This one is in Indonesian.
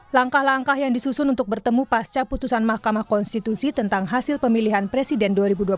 langkah langkah yang disusun untuk bertemu pasca putusan mahkamah konstitusi tentang hasil pemilihan presiden dua ribu dua puluh